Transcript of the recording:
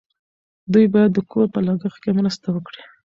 دوی باید د کور په لګښت کې مرسته وکړي.